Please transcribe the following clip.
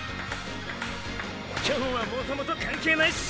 今日はもともと関係ないっショ。